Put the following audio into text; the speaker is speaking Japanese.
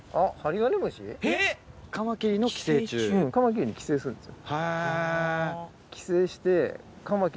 カマキリに寄生するんですよ。